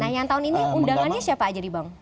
nah yang tahun ini undangannya siapa aja nih bang